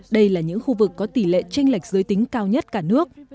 đây là những khu vực có tỷ lệ tranh lệch giới tính cao nhất cả nước